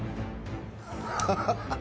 ハハハッ。